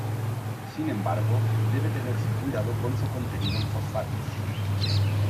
Sin embargo, debe tenerse cuidado con su contenido en fosfatos.